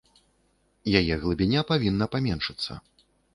Яе глыбіня павінна паменшыцца.